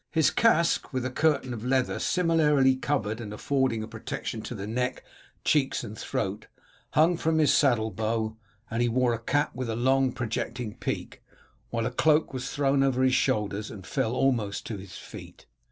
His casque, with a curtain of leather similarly covered and affording a protection to the neck, cheeks, and throat, hung from his saddle bow, and he wore a cap with a long projecting peak, while a cloak was thrown over his shoulders and fell almost to his feet.